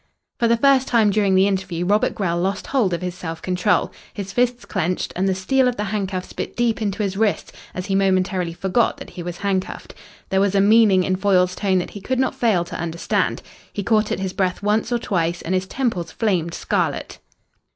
For the first time during the interview Robert Grell lost hold of his self control. His fists clenched and the steel of the handcuffs bit deep into his wrists as he momentarily forgot that he was handcuffed. There was a meaning in Foyle's tone that he could not fail to understand. He caught at his breath once or twice and his temples flamed scarlet.